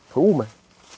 thôi um này